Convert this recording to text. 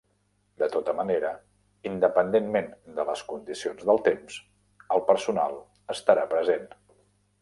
De tota manera, independentment de les condicions del temps, el personal estarà present.